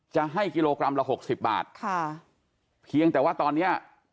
จะให้กิโลกรัมละหกสิบบาทค่ะเพียงแต่ว่าตอนเนี้ย